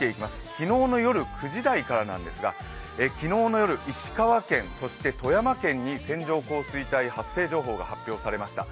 昨日の夜９時台からなんですが、昨日の夜、石川県、そして富山県に線状降水帯発生情報が発表されました。